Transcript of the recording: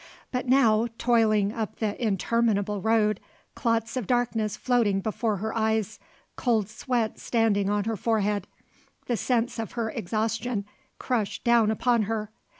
But now, toiling up the interminable road, clots of darkness floating before her eyes, cold sweats standing on her forehead, the sense of her exhaustion crushed down upon her.